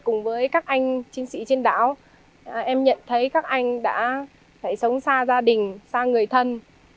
cùng với các anh chiến sĩ trên đảo em nhận thấy các anh đã phải sống xa gia đình xa người thân